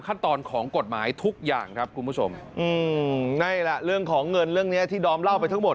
อืมนั่นแหละเรื่องของเงินเรื่องนี้ที่ดอมเล่าไปทั้งหมด